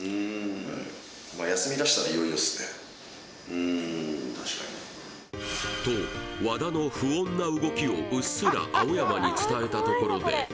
うん確かにと和田の不穏な動きをうっすら青山に伝えたところで